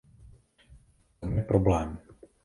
V tom je problém.